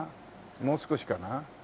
もう少しかな？